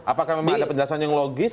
apakah memang ada penjelasan yang logis